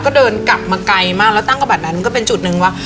ก็เดินกลับมาไกลมากแล้วตั้งกระบัดนั้นก็เป็นจุดหนึ่งว่า